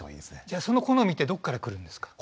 じゃあその好みってどっからくるんですか？